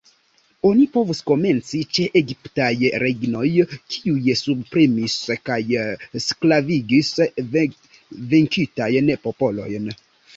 Oni povus komenci ĉe egiptaj regnoj, kiuj subpremis kaj sklavigis venkitajn popolojn.